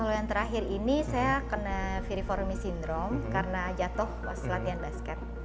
kalau yang terakhir ini saya kena viriformis sindrom karena jatuh pas latihan basket